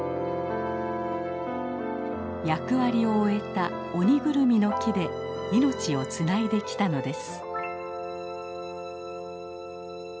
役割を終えたオニグルミの木で命をつないできたのです。